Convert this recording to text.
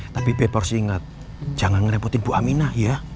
tapi beb harus ingat jangan ngerepotin bu aminah ya